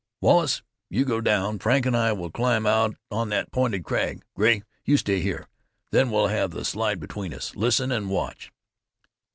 "Wallace, you go down. Frank and I will climb out on that pointed crag. Grey, you stay here. Then we'll have the slide between us. Listen and watch!"